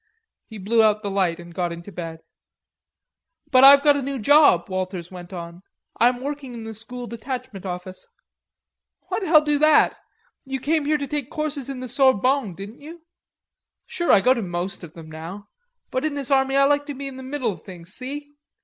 He blew out the light and got into bed. "But I've got a new job," Walters went on. "I'm working in the school detachment office." "Why the hell do that? You came here to take courses in the Sorbonne, didn't you?" "Sure. I go to most of them now. But in this army I like to be in the middle of things, see?